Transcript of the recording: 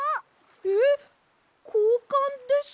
えっこうかんですか？